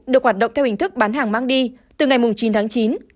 được hoạt động theo hình thức bán hàng mang đi từ ngày chín tháng chín